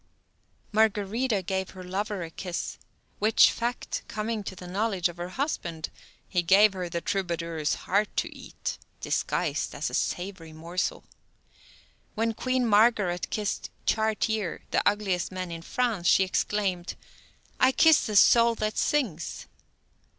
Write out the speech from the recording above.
Margarida gave her lover a kiss, which fact coming to the knowledge of her husband, he gave her the troubadour's heart to eat, disguised as a savory morsel. When Queen Margaret kissed Chartier, the ugliest man in France, she exclaimed: "I kiss the soul that sings."